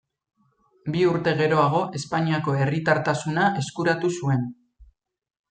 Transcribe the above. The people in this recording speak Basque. Bi urte geroago Espainiako herritartasuna eskuratu zuen.